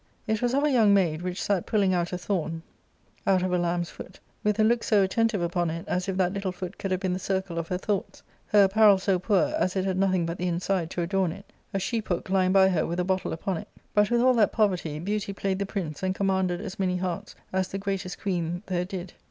'' It was of a young maid, which sat pulling out a thorn out / of a lamb's foot, with her look so attentive upon it as if that I little foot could have been the circle of her thoughts ; her apparel so poor, as it had nothing but the inside to adorn it ; a sheep hook' lying by her with a bottle upon it. But, with all that poverty, beauty played the prince, and commanded as many hearts as the greatest queen there did.